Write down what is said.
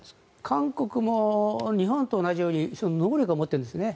韓国も日本と同じように能力は持っているんですね。